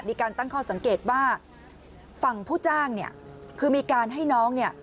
มีการตั้งข้อสังเกตว่าฝั่งผู้จ้างคือมีการให้น้อง